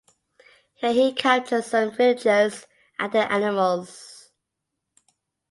Here he captured some villagers and their animals.